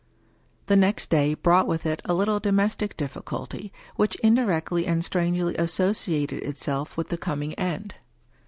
The next day brought with it a little domestic difficulty, which indirectly and strangely associated itself with the com ing end.